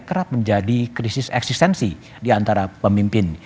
kerap menjadi krisis eksistensi di antara pemimpin